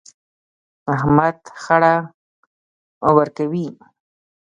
احمد خړه ورکوي.